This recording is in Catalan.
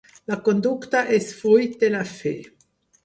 La conducta és fruit de la fe.